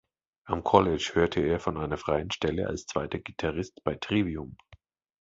Am College hörte er von einer freien Stelle als zweiter Gitarrist bei Trivium.